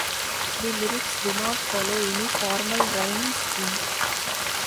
The lyrics do not follow any formal rhyme scheme.